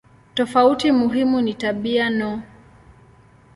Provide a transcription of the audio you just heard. Tofauti muhimu ni tabia no.